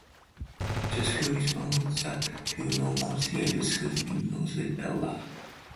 The school is one of the few non-consolidated schools in northwest Iowa.